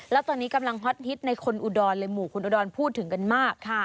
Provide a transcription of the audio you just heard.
แล้วตอนนี้กำลังฮอตฮิตในคนอุดรเลยหมู่คุณอุดรพูดถึงกันมาก